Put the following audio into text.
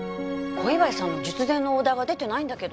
小岩井さんの術前のオーダーが出てないんだけど。